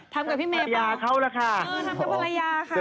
ทำกับพี่เมย์เปล่าทำกับภรรยาเขาแล้วค่ะ